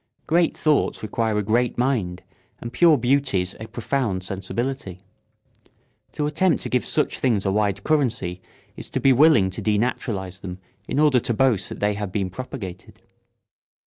Great thoughts require a great mind and pure beauties a profound sensibility. To attempt to give such things a wide currency is to be willing to denaturalise them in order to boast that they have been propagated.